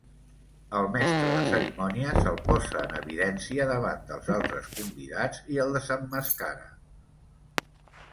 El mestre de cerimònies el posa en evidència davant dels altres convidats i el desemmascara.